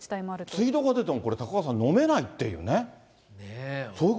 水道が出ても、これ、高岡さん、飲めないっていうね。